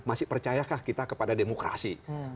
masih percayakah kita kepada demokrasi